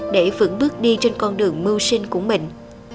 để vững bước đi trên con đường mưu sinh của mình